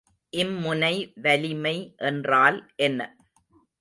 இம்முனை வலிமை என்றால் என்ன?